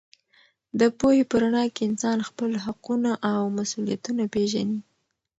د پوهې په رڼا کې انسان خپل حقونه او مسوولیتونه پېژني.